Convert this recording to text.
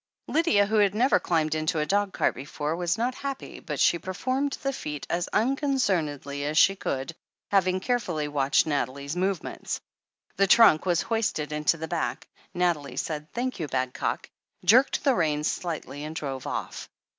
Lydia, who had never climbed into a dog cart before, was not happy, but she performed the feat as uncon cernedly as she could, having .carefully watched Na thalie's movements. The trunk was hoisted into the back, Nathalie said "Thank you, Badcock," jerked the reins slightly, and drove off.